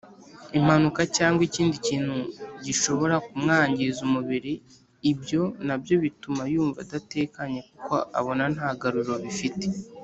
Impanuka cyangwa ikindi kintu gishobora kumwangiza umubiri ibyo nabyo bituma yumva adatekanye kuko abona ntagaruriro bigifite.